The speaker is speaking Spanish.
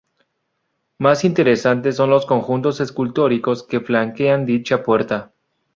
Más interesante son los conjuntos escultóricos que flanquean dicha puerta.